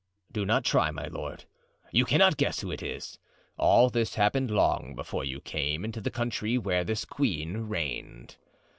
(Do not try, my lord, you cannot guess who it is; all this happened long before you came into the country where this queen reigned.)